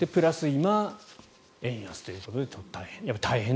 今、円安ということで大変。